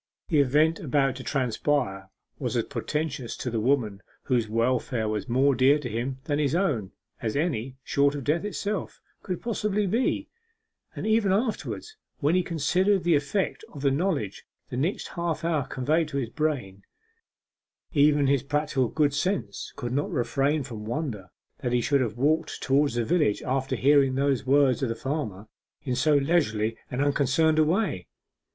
The event about to transpire was as portentous to the woman whose welfare was more dear to him than his own, as any, short of death itself, could possibly be; and ever afterwards, when he considered the effect of the knowledge the next half hour conveyed to his brain, even his practical good sense could not refrain from wonder that he should have walked toward the village after hearing those words of the farmer, in so leisurely and unconcerned a way.